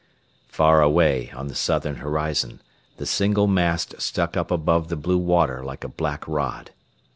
Far away on the southern horizon, the single mast stuck up above the blue water like a black rod.